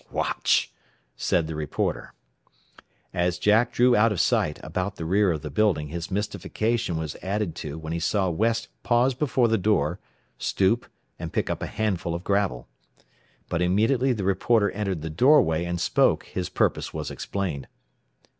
"Watch," said the reporter. As Jack drew out of sight about the rear of the building his mystification was added to when he saw West pause before the door, stoop and pick up a handful of gravel. But immediately the reporter entered the doorway and spoke his purpose was explained.